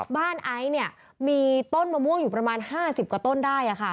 บ้านไอซ์เนี่ยมีต้นมะม่วงอยู่ประมาณ๕๐กว่าต้นได้อะค่ะ